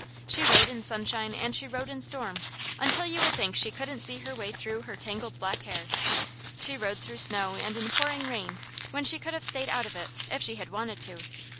She rode in sunshine and she rode in storm, until you would think she couldn't see her way through her tangled black hair. She rode through snow and in pouring rain, when she could have stayed out of it, if she had wanted to.